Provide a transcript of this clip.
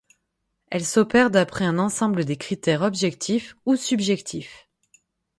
Elle s’opère d’après un ensemble des critères objectifs ou subjectifs.